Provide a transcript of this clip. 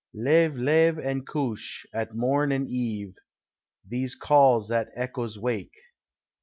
Leve, leve and couche, at morn and eve These calls the echoes wake.